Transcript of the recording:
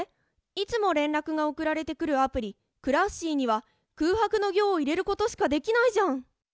いつも連絡が送られてくるアプリ「Ｃｌａｓｓｉ」には空白の行を入れることしかできないじゃん！